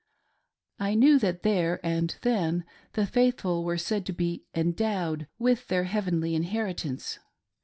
I knew that there and then the faithful were said to be "endowed" with their heavenly inheritance.